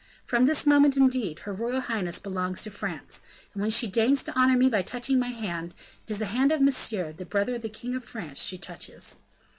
From this moment, indeed, her royal highness belongs to France, and when she deigns to honor me by touching my hand it is the hand of Monsieur, the brother of the king of France, she touches."